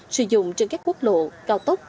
sử dụng trên các quốc lộ cao tốc